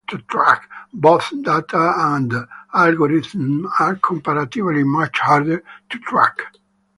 Both data and algorithms are comparatively much harder to track.